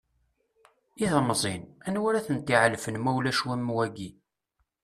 I temẓin, anwa ad ten-t-iɛelfen ma ulac am wagi?